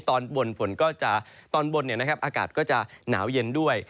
ตอนบนฝนก็จะตอนบนอากาศก็จะหนาวเย็นด้วย